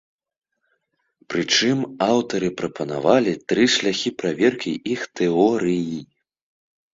Прычым, аўтары прапанавалі тры шляхі праверкі іх тэорыі.